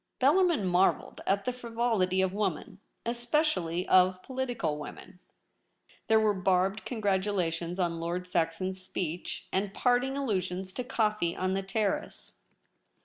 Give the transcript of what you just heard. Bellarmin marvelled at the frivolity of woman — especially of political woman. There were barbed congratulations on Lord Saxon's speech, and parting allusions to coffee on the terrace.